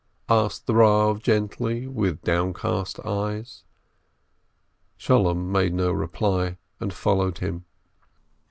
asked the Eav gently, with downcast eyes. Sholem made no reply, and followed him.